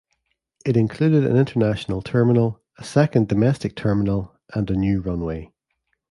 It included an International Terminal, a second Domestic Terminal, and a new runway.